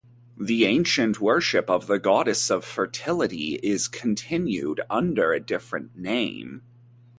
The ancient worship of the goddess of fertility is continued under a different name.